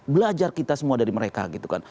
belajar kita semua dari mereka